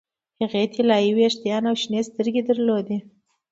هغې طلايي ویښتان او شنې سترګې درلودې